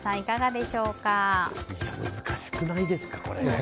難しくないですか、これ。